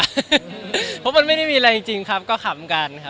เพราะมันไม่ได้มีอะไรจริงครับก็ขำกันครับ